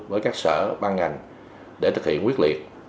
với các sở ban ngành để thực hiện quyết liệt